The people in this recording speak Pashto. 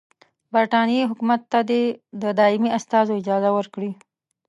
برټانیې حکومت ته دي د دایمي استازو اجازه ورکړي.